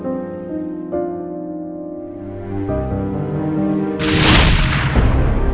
ya tapi dia masih sedang berada di dalam keadaan yang teruk